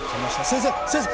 先生先生！